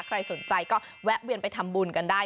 ใครสนใจก็แวะเวียนไปทำบุญกันได้